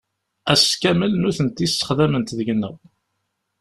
Ass kamel nutenti ssexdament deg-neɣ.